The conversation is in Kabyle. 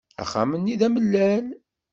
Axxam-nni d amellal.